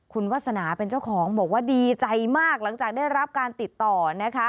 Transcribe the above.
คุณวาสนาเป็นเจ้าของบอกว่าดีใจมากหลังจากได้รับการติดต่อนะคะ